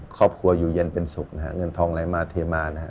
ครอบครัวอยู่เย็นเป็นสุขนะฮะเงินทองไหลมาเทมานะฮะ